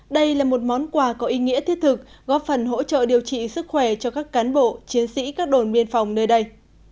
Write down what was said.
đây là một món quà có ý nghĩa thiết thực góp phần hỗ trợ điều trị sức khỏe cho các cán bộ chiến sĩ các đồn biên phòng nơi đây